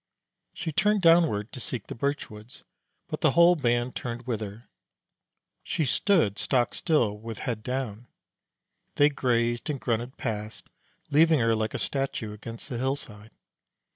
She turned downward to seek the birch woods, but the whole band turned with her. She stood stock still, with head down. They grazed and grunted past, leaving her like a statue against the hillside.